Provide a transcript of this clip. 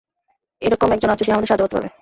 এরকম একজন আছে যে আমাদের সাহায্য করতে পারবে।